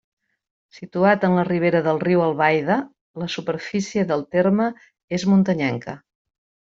Situat en la ribera del riu Albaida, la superfície del terme és muntanyenca.